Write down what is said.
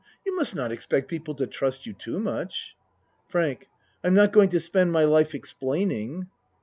You must not expect people to trust you too much. FRANK I'm not going to spend my life ex plaining.